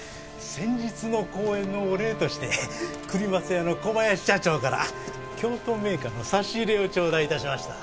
先日の講演のお礼として栗松屋の小林社長から京都銘菓の差し入れをちょうだい致しました。